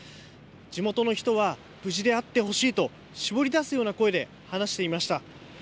地元の人は、無事であってほしいと、絞り出すような声で話していました。